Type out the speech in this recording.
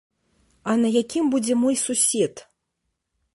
А на якім будзе мой сусед?